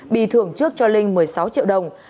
bị thưởng trước cho linh một mươi sáu triệu đồng